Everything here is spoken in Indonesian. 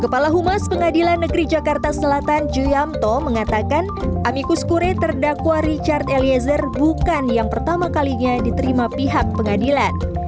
kepala humas pengadilan negeri jakarta selatan ju yamto mengatakan amikus kure terdakwa richard eliezer bukan yang pertama kalinya diterima pihak pengadilan